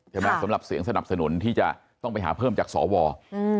สำหรับเสียงสนับสนุนที่จะต้องไปหาเพิ่มจากสวอืม